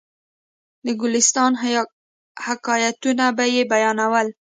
د ګلستان حکایتونه به یې بیانول.